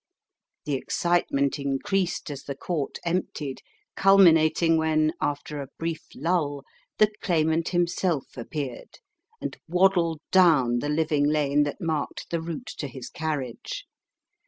The excitement increased as the Court emptied, culminating when, after a brief lull, the Claimant himself appeared, and waddled down the living lane that marked the route to his carriage.